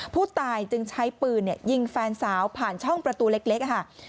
ผู้ตายจึงใช้ปืนยิงแฟนสาวผ่านช่องประตูเล็กค่ะ